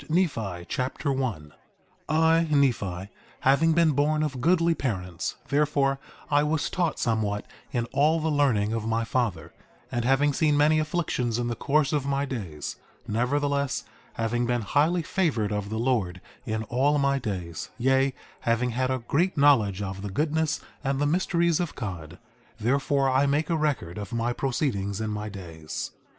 1 Nephi Chapter 1 1:1 I, Nephi, having been born of goodly parents, therefore I was taught somewhat in all the learning of my father; and having seen many afflictions in the course of my days, nevertheless, having been highly favored of the Lord in all my days; yea, having had a great knowledge of the goodness and the mysteries of God, therefore I make a record of my proceedings in my days.